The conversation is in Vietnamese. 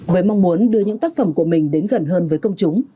với mong muốn đưa những tác phẩm của mình đến gần hơn với công chúng